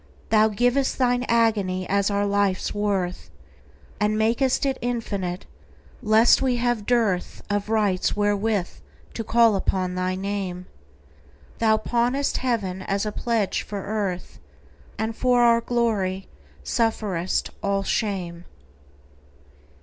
Thou giv'st Thine agony as our life's worth, And mak'st it infinite, lest we have dearthOf rights wherewith to call upon thy Name; Thou pawnest Heaven as a pledge for Earth, And for our glory sufferest all shame.